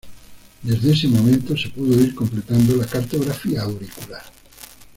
Desde este momento se pudo ir completando la cartografía auricular.